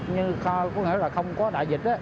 nhưng không có đại dịch